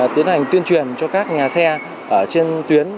tiến hành tuyên truyền cho các nhà xe ở trên tuyến